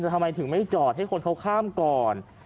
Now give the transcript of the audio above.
ทำไมถึงไม่จอดให้คนเขาข้ามก่อน